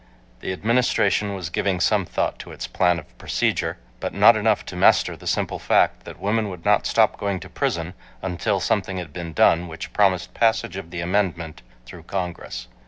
The Administration was giving some thought to its plan of procedure, but not enough to master the simple fact that women would not stop going to prison until something had been done which promised passage of the amendment through Congress.